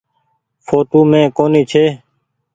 ڦوٽو مين ڪونيٚ ڇي۔